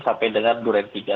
sampai dengan durian tiga